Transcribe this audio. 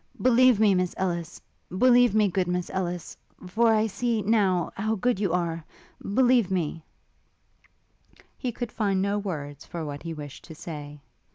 Believe me, Miss Ellis! believe me, good Miss Ellis! for I see, now, how good you are! believe me ' He could find no words for what he wished to say.